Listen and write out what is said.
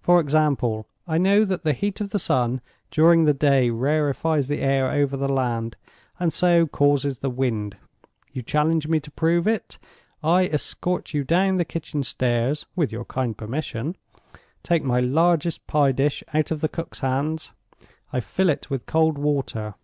For example, I know that the heat of the sun during the day rarefies the air over the land, and so causes the wind. You challenge me to prove it. I escort you down the kitchen stairs (with your kind permission); take my largest pie dish out of the cook's hands; I fill it with cold water.